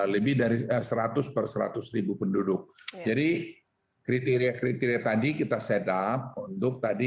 lebih dari seratus persatu seribu penduduk jadi kriteria kriteria tadi kita setup untuk tadi